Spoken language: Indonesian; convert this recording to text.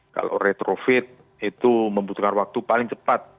kalau retrofit itu membutuhkan waktu paling cepat